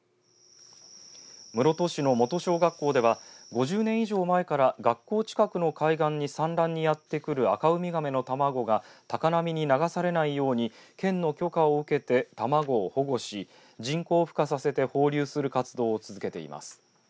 室戸市の元小学校では５０年以上前から学校近くの海岸に産卵にやって来るアカウミガメの卵が高波に流されないように県の許可を受けて卵を保護し、人工ふ化させて放流する活動を続けています。